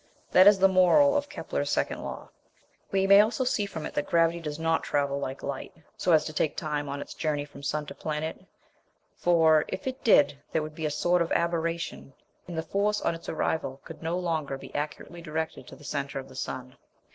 That is the moral of Kepler's second law. We may also see from it that gravity does not travel like light, so as to take time on its journey from sun to planet; for, if it did, there would be a sort of aberration, and the force on its arrival could no longer be accurately directed to the centre of the sun.